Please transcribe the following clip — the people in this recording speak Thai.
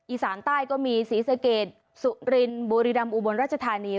อีสานใต้ก็มีศรีสะเกดสุรินบุรีดำอุบลราชธานี